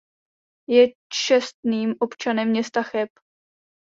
Je čestným občanem města Cheb.